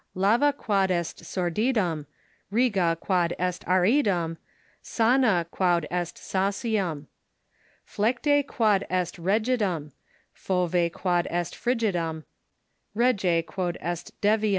Lava quod est sordidum, Riga quod est aridum, Sana quod est sau cium ; Flecte quod est rigidum, Fove quod est frigidum, Rege quod est de vium